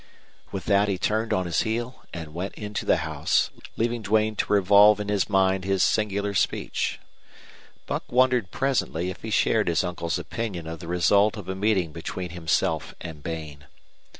With that he turned on his heel and went into the house, leaving Duane to revolve in his mind his singular speech. Buck wondered presently if he shared his uncle's opinion of the result of a meeting between himself and Bain.